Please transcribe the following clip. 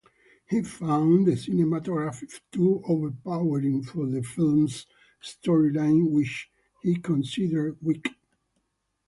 He found the cinematography too overpowering for the film's storyline, which he considered "weak".